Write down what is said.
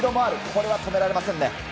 これは止められませんね。